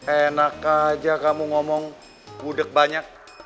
enak aja kamu ngomong gudeg banyak